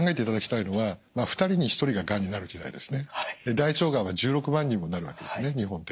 大腸がんは１６万人もなるわけですね日本って。